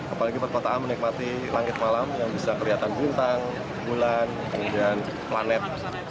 apalagi perkotaan menikmati langit malam yang bisa kelihatan bintang bulan kemudian planet